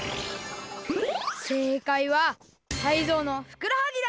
せいかいはタイゾウのふくらはぎだ！